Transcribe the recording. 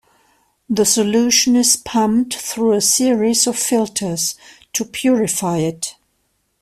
The solution is pumped through a series of filters to purify it.